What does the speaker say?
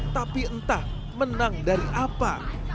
tapi entah menang dari apa